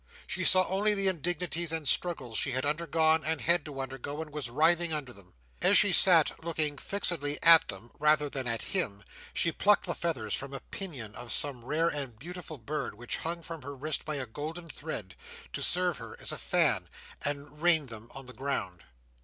She saw only the indignities and struggles she had undergone and had to undergo, and was writhing under them. As she sat looking fixedly at them, rather than at him, she plucked the feathers from a pinion of some rare and beautiful bird, which hung from her wrist by a golden thread, to serve her as a fan, and rained them on the ground.